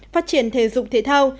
phát triển thể dục thể thao